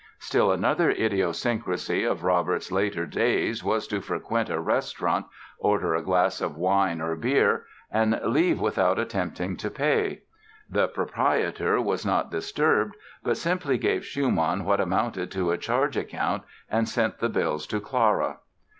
Still another idiosyncrasy of Robert's later days was to frequent a restaurant, order a glass of wine or beer and leave without attempting to pay. The proprietor was not disturbed, but simply gave Schumann what amounted to a charge account and sent the bills to Clara.